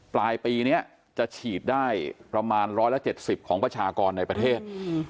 ปลายปีนี้จะฉีดได้ประมาณ๑๗๐ของประชากรในประเทศ